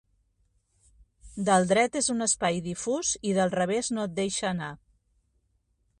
Del dret és un espai difús i del revés no et deixa anar.